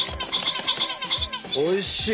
おいしい！